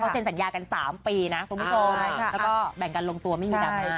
เซ็นสัญญากัน๓ปีนะคุณผู้ชมแล้วก็แบ่งกันลงตัวไม่มีดราม่า